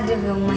aduh dong mas